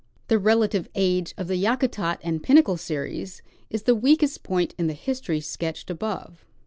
The relative age of the Yakutat and Pinnacle series is the weakest point in the history sketched above.